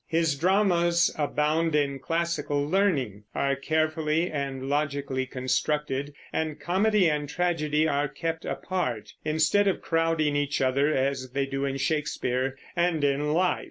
His dramas abound in classical learning, are carefully and logically constructed, and comedy and tragedy are kept apart, instead of crowding each other as they do in Shakespeare and in life.